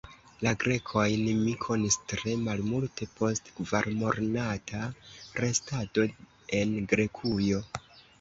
La Grekojn mi konis tre malmulte post kvarmonata restado en Grekujo.